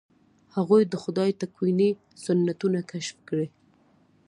هغوی د خدای تکویني سنتونه کشف کړي.